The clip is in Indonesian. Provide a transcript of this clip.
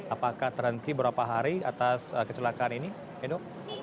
apakah terhenti beberapa hari atas kecelakaan ini edo